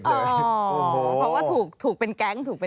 โอ้โหเพราะว่าถูกเป็นแก๊ง